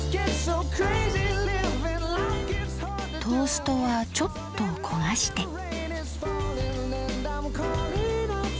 トーストはちょっと焦がして。